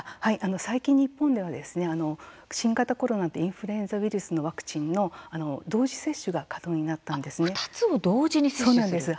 最近、日本では新型コロナとインフルエンザウイルスのワクチンの同時接種が２つを同時に接種する。